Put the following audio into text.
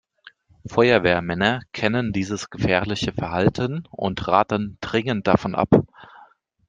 Feuerwehrmänner kennen dieses gefährliche Verhalten und raten dringend davon ab.